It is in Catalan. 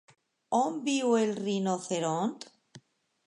On viu el rinoceront?